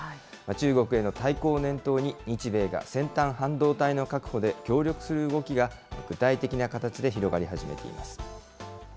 中国への対抗を念頭に、日米が先端半導体の確保で、協力する動きが具体的な形で広がり始めています。